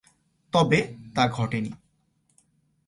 তবে, তা ঘটেনি।